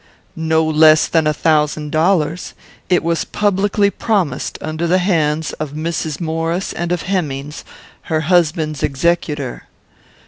"No less than a thousand dollars. It was publicly promised under the hands of Mrs. Maurice and of Hemmings, her husband's executor."